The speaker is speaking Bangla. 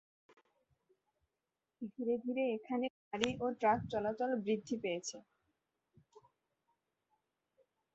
ধীরে ধীরে এখানে গাড়ি ও ট্রাক চলাচল বৃদ্ধি পেয়েছে।